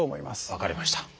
分かりました。